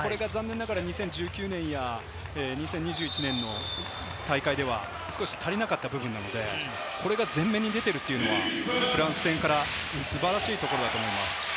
２０１９年や２０２１年の大会では少し足りなかった部分なので、これが前面に出ているというのはフランス戦から素晴らしいところだと思います。